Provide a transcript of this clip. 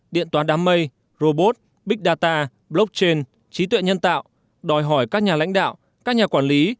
điện toán đám mây robot big data blockchain trí tuệ nhân tạo đòi hỏi các nhà lãnh đạo các nhà quản lý